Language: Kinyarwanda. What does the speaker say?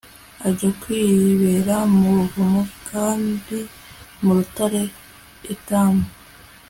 ajya kwibera mu buvumo bwari mu rutare i etamu